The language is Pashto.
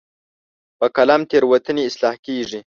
په قلم تیروتنې اصلاح کېږي.